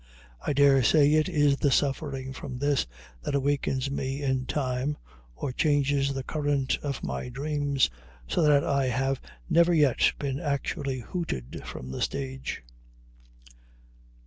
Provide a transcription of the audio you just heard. I dare say it is the suffering from this that awakens me in time, or changes the current of my dreams so that I have never yet been actually hooted from the stage.